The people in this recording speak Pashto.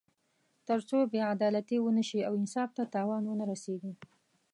تر څو بې عدالتي ونه شي او انصاف ته تاوان ونه رسېږي.